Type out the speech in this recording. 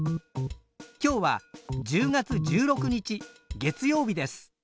今日は１０月１６日月曜日です。